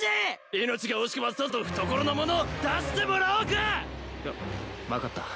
命が惜しくばさっさと懐の物を出してもらおうか！わ分かった。